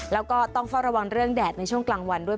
แล้วก็ต้องเฝ้าระวังเรื่องแดดในช่วงกลางวันด้วย